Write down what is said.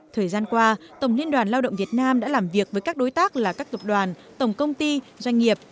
thời gian qua tổng liên đoàn lao động việt nam đã làm việc với các đối tác là các tập đoàn tổng công ty doanh nghiệp